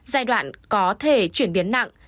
giai đoạn có thể chuyển biến nặng